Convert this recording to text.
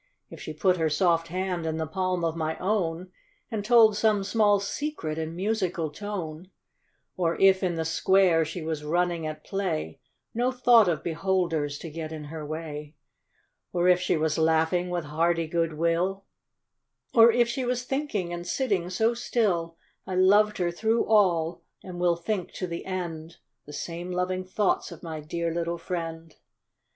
If she put her soft hand in the palm of my own, And told some small secret in musical tone ; Or if in the square she was running at play, Ho thought of beholders to get in her way; Or if she was laughing with hearty good will; Or if she was thinking and sitting so still, I loved her through all, and will think, to the end, The same loving thoughts of my dear little friend.